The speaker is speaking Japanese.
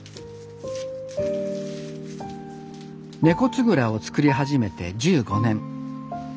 猫つぐらを作り始めて１５年。